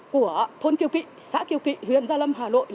của thôn kiều kỵ xã kiều kỵ huyện gia lâm hà nội